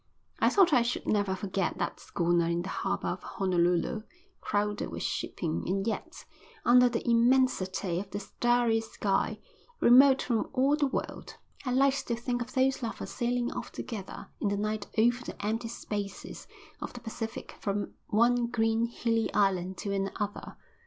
I thought I should never forget that schooner in the harbour of Honolulu, crowded with shipping, and yet, under the immensity of the starry sky, remote from all the world. I liked to think of those lovers sailing off together in the night over the empty spaces of the Pacific from one green, hilly island to another.